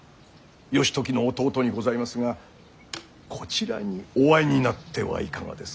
義時の弟にございますがこちらにお会いになってはいかがですか。